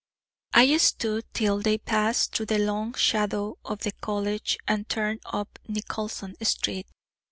I stood till they passed through the long shadow of the College, and turned up Nicholson street.